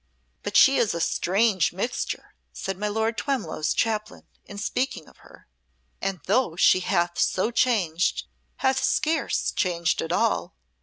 "But she is a strange mixture," said my Lord Twemlow's Chaplain, in speaking of her, "and though she hath so changed, hath scarce changed at all.